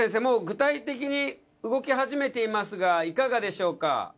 もう具体的に動き始めていますがいかがでしょうか？